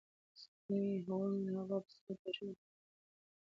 ستوني غرونه د افغانستان په ستراتیژیک اهمیت کې رول لري.